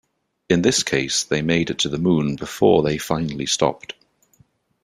In this case, they made it to the Moon before they finally stopped.